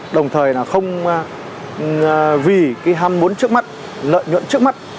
đồng thời không vì hâm muốn trước mắt lợi nhuận trước mắt